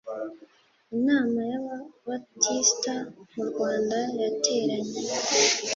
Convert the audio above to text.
inama y Ababatista mu Rwanda yateranye